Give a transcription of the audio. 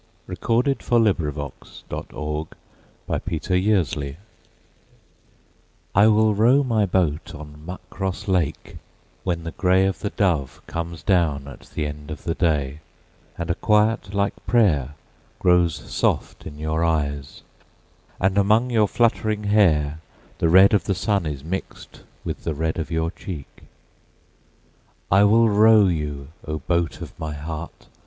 1922. By James H. Cousins 162. The Wings of Love I WILL row my boat on Muckross Lake when the grey of the doveComes down at the end of the day; and a quiet like prayerGrows soft in your eyes, and among your fluttering hairThe red of the sun is mixed with the red of your cheek.I will row you, O boat of my heart!